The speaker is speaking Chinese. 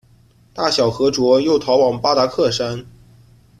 大小和卓又逃往巴达克山。